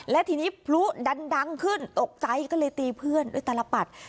และทีนี้พลุดันดังขึ้นตกใจก็เลยตีเพื่อนด้วยตลปัด